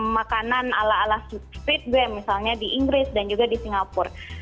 makanan ala ala street game misalnya di inggris dan juga di singapura